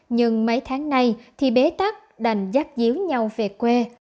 nhưng mấy tháng nay thì bế tắc đành giác diếu nhau về quê